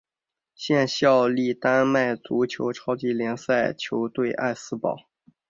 现效力丹麦足球超级联赛球队艾斯堡。